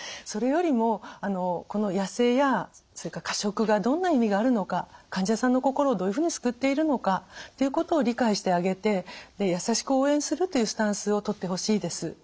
それよりもこの痩せやそれから過食がどんな意味があるのか患者さんの心をどういうふうに救っているのかっていうことを理解してあげて優しく応援するというスタンスをとってほしいです。